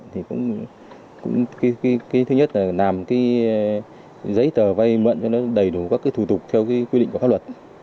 thì cũng cái thứ nhất là làm cái giấy tờ vay mượn cho nó đầy đủ các cái thủ tục theo quy định của pháp luật